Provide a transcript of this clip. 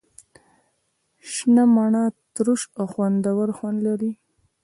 شنه مڼه ترش او خوندور خوند لري.